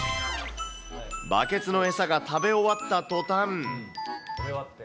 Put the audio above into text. バケツの餌が食べ終わったとたん。